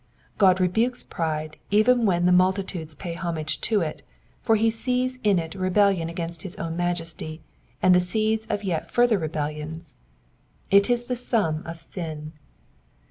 God rebukes pride even when the multitudes pay homage to it, for he sees in it rebellion against his own majesty, and the seeds of yet further rebel lions. It is the sum of sin.